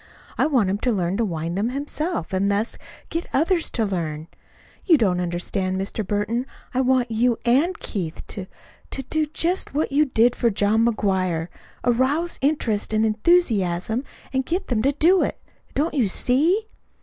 I want him to learn to wind them himself, and thus get others to learn. You don't understand, Mr. Burton. I want you and Mr. Keith to to do just what you did for John McGuire arouse interest and enthusiasm and get them to do it. Don't you see?"